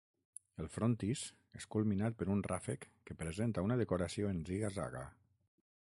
El frontis és culminat per un ràfec que presenta una decoració en ziga-zaga.